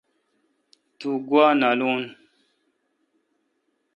تو گوا نالون۔